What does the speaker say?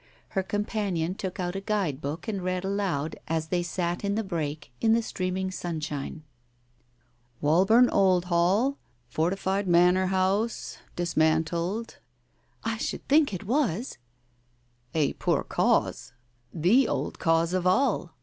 Her companion took out a guide book and read aloud, as they sat in the break in the streaming sunshine. " Wallburn Old Hall ... fortified manor house ... dismantled. ..." "I should think it was!" u Et pour cause. The old Cause of all!